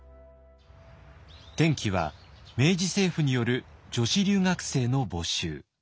転機は明治政府による女子留学生の募集。